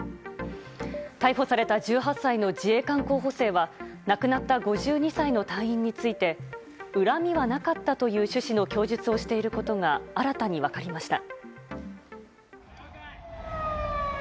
逮捕された１８歳の自衛官候補生は亡くなった５２歳の隊員について恨みはなかったという趣旨の供述をしていることが新たに分かりました。